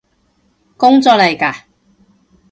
工作嚟嘎？